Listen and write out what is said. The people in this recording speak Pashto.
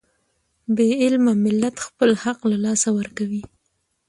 بې علمه ملت خپل حق له لاسه ورکوي.